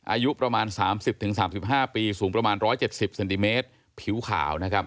อายุประมาณ๓๐๓๕ปีสูงประมาณ๑๗๐เซนติเมตรผิวขาวนะครับ